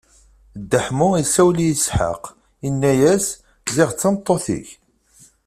Dda Ḥemmu isawel i Isḥaq, inna-as: Ziɣ d tameṭṭut-ik!